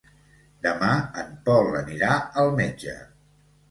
Demà en Pol anirà al metge.